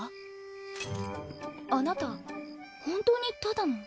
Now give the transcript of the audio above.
あなた本当にただの。